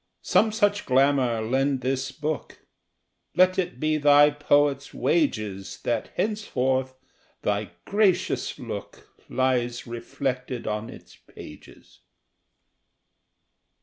Some such glamour lend this Book: Let it be thy poet's wages That henceforth thy gracious look Lies reflected on its pages.